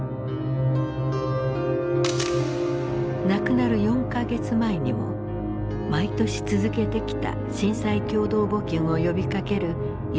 亡くなる４か月前にも毎年続けてきた震災共同募金を呼びかける今村の姿があった。